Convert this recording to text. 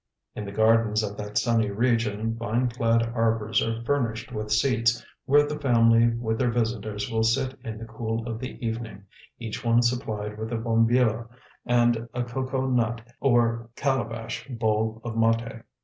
In the gardens of that sunny region vineclad arbors are furnished with seats, where the family with their visitors will sit in the cool of the evening, each one supplied with a bombilla and a cocoa nut or calabash bowl of mate.